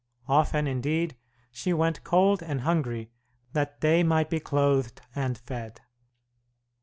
Often, indeed, she went cold and hungry that they might be clothed and fed.